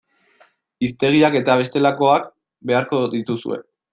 Hiztegiak eta bestelakoak beharko dituzue.